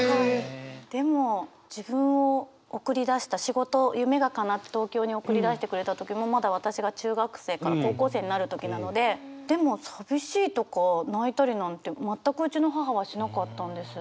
でも自分を送り出した仕事夢がかなって東京に送り出してくれた時もまだ私が中学生から高校生になる時なのででも寂しいとか泣いたりなんて全くうちの母はしなかったんです。